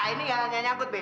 ini gak hanya nyangkut be